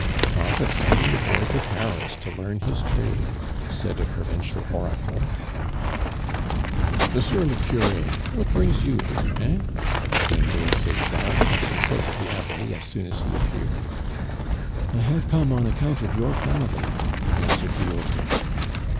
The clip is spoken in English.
"Talk of sending a boy to Paris to learn his trade!" said a provincial oracle. "M. le Cure, what brings you here, eh?" exclaimed old Sechard, catching sight of the Abbe as soon as he appeared. "I have come on account of your family," answered the old man.